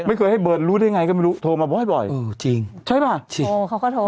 ไม่เคยให้เบิร์ตรู้ได้ไงก็ไม่รู้โทรมาบ่อยบ่อยเออจริงใช่ป่ะจริงโทรเขาก็โทร